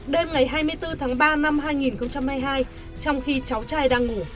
đêm ngày hai mươi bốn tháng ba năm hai nghìn hai mươi hai trong khi cháu trai đang ngủ